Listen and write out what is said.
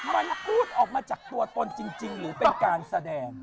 มันพูดออกมาจากตัวตนจริงหรือเป็นการแสดง